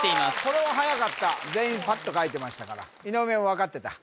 これははやかった全員パッと書いてましたから井上も分かってた？